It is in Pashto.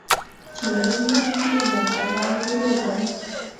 چې نه وېرېږي، له هغه وېرېږه.